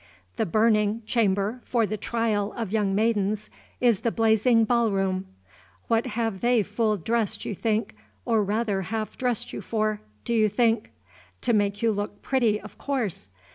The burning chamber for the trial of young maidens is the blazing ball room. What have they full dressed you, or rather half dressed you for, do you think? To make you look pretty, of course!